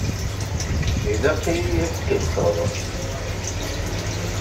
Ilaq-iyi ad k-kellexeɣ!